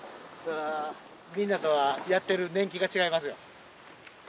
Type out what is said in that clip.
みんなとはやっている年季が違いますよ。